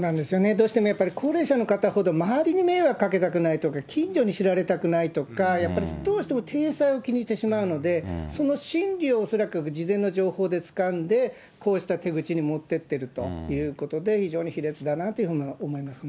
どうしてもやっぱり高齢者の方ほど周りに迷惑かけたくないとか、近所に知られたくないとか、やっぱりどうしても体裁を気にしてしまうので、その心理を恐らく事前の情報でつかんで、こうした手口に持ってってるということで、非常に卑劣だなというふうに思いますね。